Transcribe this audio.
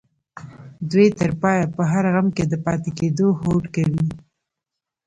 دوی تر پايه په هر غم کې د پاتې کېدو هوډ کوي.